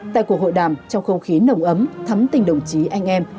tại cuộc hội đàm trong không khí nồng ấm thắm tình đồng chí anh em